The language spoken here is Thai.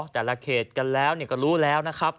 แต่ละเขตก็รู้แล้ว